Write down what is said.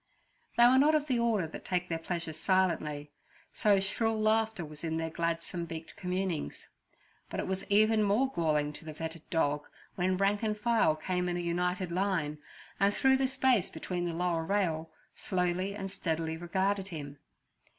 They were not of the order that take their pleasures silently, so shrill laughter was in their gladsome beaked communings. But it was even more galling to the fettered dog when rank and file came in a united line, and through the space beneath the lower rail, slowly and steadily regarded him.